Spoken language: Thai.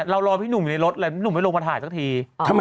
เรารอพี่หนูอยู่ในรถแล้วหนูไม่ลงมาถ่ายสักที